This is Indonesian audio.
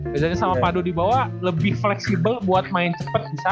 reza sama pandu di bawah lebih fleksibel buat main cepet bisa